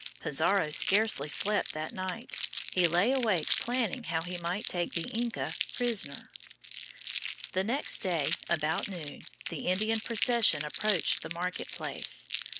Pizarro scarcely slept that night. He lay awake planning how he might take the Inca prisoner. The next day, about noon, the Indian procession approached the market place.